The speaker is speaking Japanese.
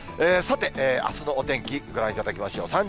さて、あすのお天気、ご覧いただきましょう。